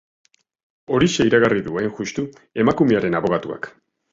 Horixe iragarri du, hain justu, emakumearen abokatuak.